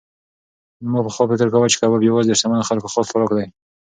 ما پخوا فکر کاوه چې کباب یوازې د شتمنو خلکو خاص خوراک دی.